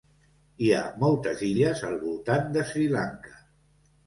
Hi ha moltes illes al voltant de Sri Lanka.